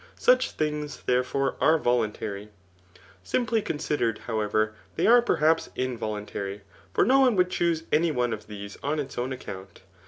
Such things, therefore, are voluntary. Simply considered, however, they are perhaps involuntary ; for no one would choose any one pf these oi;! its own account.